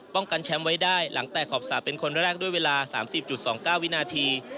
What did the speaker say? กันแชมป์ไว้ได้หลังแตกขอบสระเป็นคนแรกด้วยเวลา๓๐๒๙วินาที